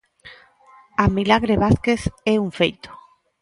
A milagre Vázquez é un feito.